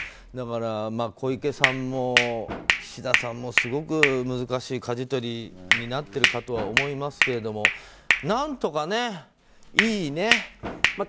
だから、小池さんも岸田さんもすごく難しいかじ取りになっているかと思いますけど何とかね、いいね。